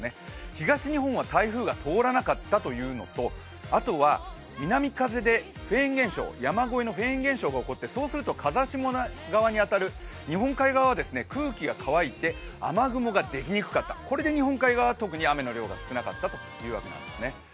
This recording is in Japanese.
東日本は台風が通らなかったというのとあとは南風で山越えのフェーン現象が起こって、そうすると風下側に当たる日本海側は空気が乾いて雨雲ができにくかったこれで日本海側は特に雨の量が少なかったというわけなんですね。